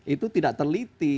itu tidak teliti